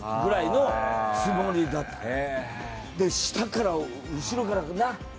下から後ろからなっ。